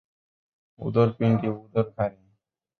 উদোর পিণ্ডি বুধোর ঘাড়ে।